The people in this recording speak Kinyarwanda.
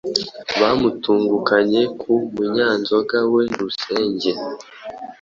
Bamutungukanye ku munyanzoga we Rusenge,